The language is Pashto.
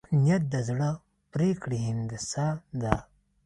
نیت د زړه د پرېکړې هندسه ده.